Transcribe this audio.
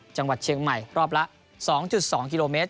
จังหวัดเชียงใหม่รอบละ๒๒กิโลเมตร